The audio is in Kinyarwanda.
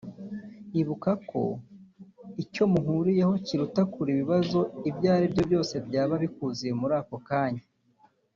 Ibuka ko icyo muhuriyeho kiruta kure ibibazo ibyo aribyo byose byaba bikuziye muri ako kanya